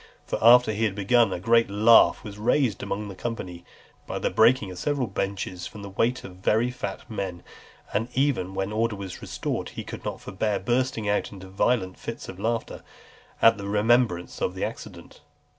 For after he had begun, a great laugh was raised amongst the company, by the breaking of several benches from the weight of a very fat man; and even when order was restored, he could not forbear bursting out into violent fits of laughter, at the remembrance of the accident.